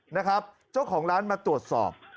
นะครับเจ้าของร้านมาตรวจสอบ